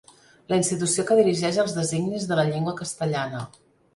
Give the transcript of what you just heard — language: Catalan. La institució que dirigeix els designis de la llengua castellana.